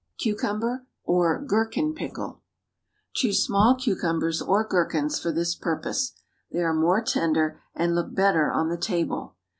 CUCUMBER OR GHERKIN PICKLE. ✠ Choose small cucumbers, or gherkins, for this purpose. They are more tender, and look better on the table.